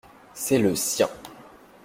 C’est le sien.